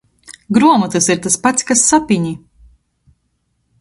Gruomotys ir tys pats kas sapyni.